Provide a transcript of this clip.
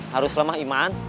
harus lemah iman